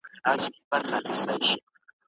کله چې خلک ونډه واخلي، مسوولیت احساسوي.